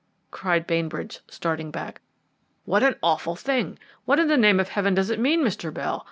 cried Bainbridge, starting back, "what an awful thing! What, in the name of Heaven, does it mean, Mr. Bell?